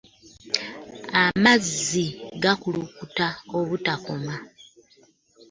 Amazzi gakulukuta obutakoma.